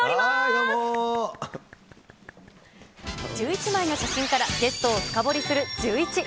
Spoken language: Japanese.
１１枚の写真からゲストを深掘りする、ジューイチ。